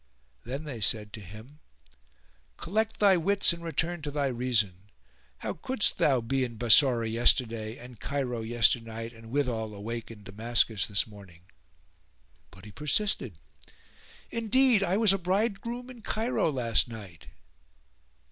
Then they said to him, "Collect thy wits and return to thy reason! How couldest thou be in Bassorah yesterday and Cairo yesternight and withal awake in Damascus this morning?" But he persisted, "Indeed I was a bridegroom in Cairo last night."